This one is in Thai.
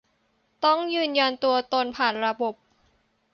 ต้องยืนยันตัวตนผ่านระบบ